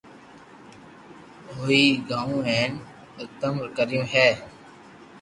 ھوئي گآو ھين ٿي زتم ڪريو ھي